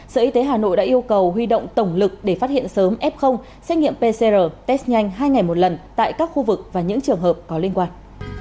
sở y tế hà nội đã yêu cầu huy động tổng lực để phát hiện sớm f xét nghiệm pcr test nhanh hai ngày một lần tại các khu vực và những trường hợp có liên quan